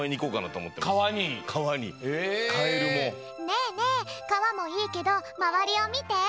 ねえねえかわもいいけどまわりをみて。